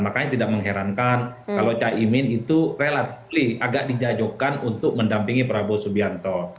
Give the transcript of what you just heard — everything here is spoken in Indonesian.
makanya tidak mengherankan kalau caimin itu relatif agak dijajakan untuk mendampingi prabowo subianto